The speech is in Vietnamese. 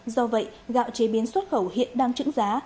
do vậy gạo chế biến xuất khẩu hiện đang chững giá